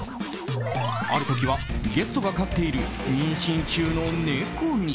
ある時はゲストが飼っている妊娠中の猫に。